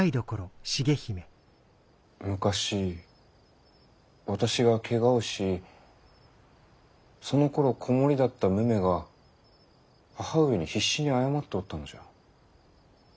昔私がけがをしそのころ子守だった武女が母上に必死に謝っておったのじゃ。